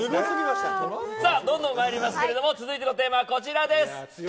さあ、どんどんまいりますけど、続いてのテーマはこちらです。